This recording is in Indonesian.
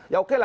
ya oke lah